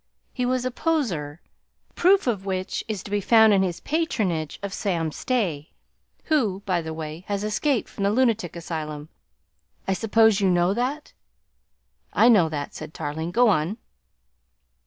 He was a poseur, proof of which is to be found in his patronage of Sam Stay who, by the way, has escaped from the lunatic asylum; I suppose you know that?" "I know that," said Tarling. "Go on."